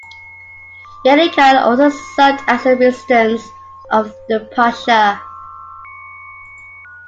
Yeni-Kale also served as a residence of the pasha.